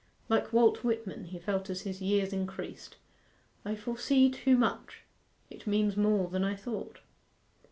Like Walt Whitman he felt as his years increased 'I foresee too much; it means more than I thought.